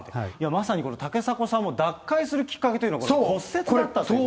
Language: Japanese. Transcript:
まさに竹迫さんも脱会するきっかけというのが、骨折だったという。